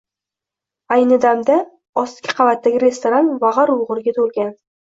Ayni damda ostki qavatdagi restoran vagʻir-vugʻurga toʻlgan